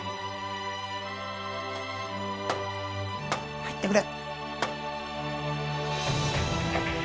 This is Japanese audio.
入ってくれ。